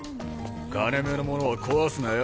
金目の物は壊すなよ